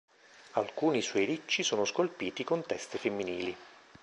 Alcuni suoi ricci sono scolpiti con teste femminili.